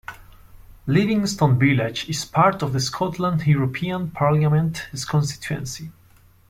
Livingston Village is part of the Scotland European Parliament constituency.